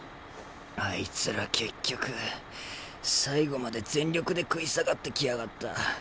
あいつら結局最後まで全力で食い下がってきやがった。